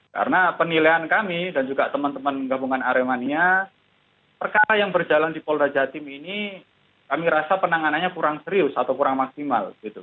karena penilaian kami dan juga teman teman gabungan aremania perkara yang berjalan di polda jatim ini kami rasa penanganannya kurang serius atau kurang maksimal